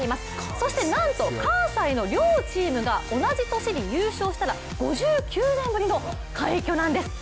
そしてなんと関西の両チームが同じ年に優勝したら５９年ぶりの快挙なんです。